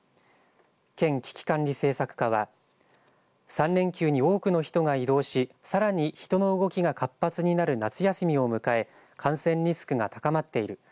県危機管理政策課は３連休に多くの人が移動しさらに人の動きが活発になる夏休みを迎え感染リスクが高まっている。